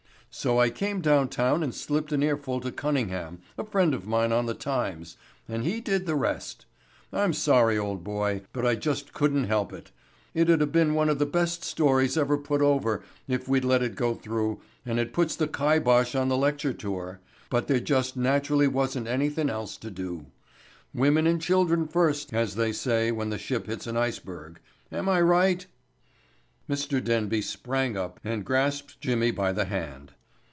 "So I came down town and slipped an ear full to Cunningham, a friend of mine on the Times, and he did the rest. I'm sorry, old boy, but I just couldn't help it. It'd a been one of the best stories ever put over if we'd let it go through and it puts the kibosh on the lecture tour, but there just naturally wasn't anythin' else to do. Women and children first, as they say when the ship hits an iceberg. Am I right?" Mr. Denby sprang up and grasped Jimmy by the hand.